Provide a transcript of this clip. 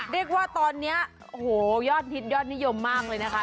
เรียกว่าตอนนี้โอ้โหยอดฮิตยอดนิยมมากเลยนะคะ